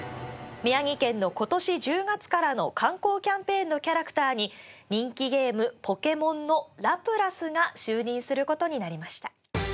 宮城県の今年１０月からの観光キャンペーンのキャラクターに人気ゲーム「ポケモン」のラプラスが就任することになりました。